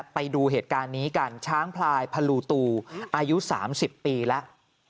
ไปดูเหตุการณ์นี้กันช้างพลายพลูตูอายุ๓๐ปีแล้ว